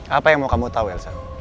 apa yang mau kamu tahu elsa